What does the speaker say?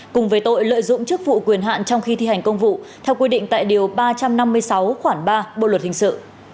cùng với tội lợi dụng chức vụ quyền hạn trong khi thi hành công vụ theo quy định tại điều ba trăm năm mươi sáu khoảng ba bộ luật hình sự